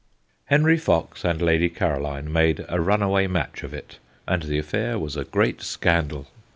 Henry Fox and Lady Caroline made a runaway match of it, and the affair was a great scandal.